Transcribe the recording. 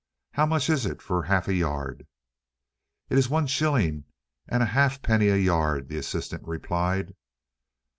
How much is it for half a yard?" "It is one shilling and a halfpenny a yard," the assistant replied.